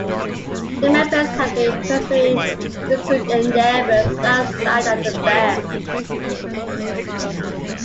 The members have been pursuing musical endeavors outside of the band.